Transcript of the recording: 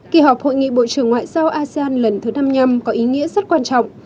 kỳ họp hội nghị bộ trưởng ngoại giao asean lần thứ năm mươi năm có ý nghĩa rất quan trọng